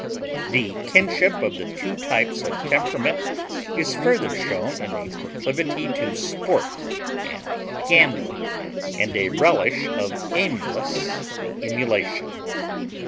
The kinship of the two types of temperament is further shown in a proclivity to "sport" and gambling, and a relish of aimless emulation.